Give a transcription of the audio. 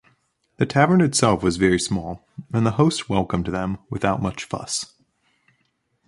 The tavern itself was very small and the host welcomed them without much fuss.